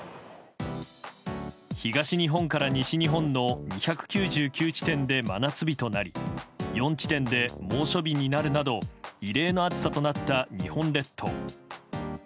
東日本から西日本の２９９地点で真夏日となり４地点で猛暑日になるなど異例の暑さとなった日本列島。